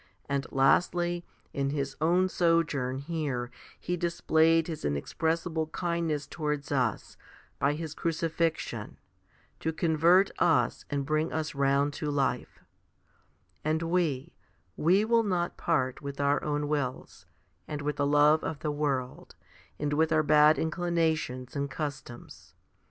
and lastly, in His own sojourn here He displayed His inexpressible kindness towards us by His crucifixion, to convert us and bring us round to life and we, we will not part with our own wills, and with the love of the world, and with our bad inclinations and customs.